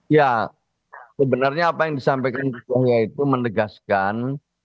ya sebenarnya apa yang disampaikan ketuanya itu menegaskan